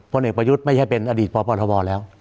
เอกประยุทธ์ไม่ใช่เป็นอดีตพบทบแล้ว